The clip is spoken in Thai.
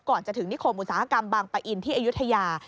ก่อนจะถึงนิคมอุตสาหกรรมบางปะอินที่อายุทยา